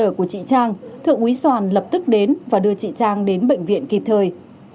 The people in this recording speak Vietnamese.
vừa của chị trang thượng quý soàn lập tức đến và đưa chị trang đến bệnh viện kịp thời